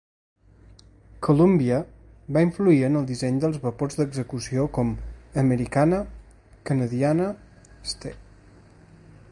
"Columbia" va influir en el disseny dels vapors d'excursió com "Americana", "Canadiana", "Ste.